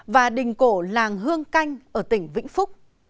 và đình cổ làng hương canh ở tỉnh vĩnh phúc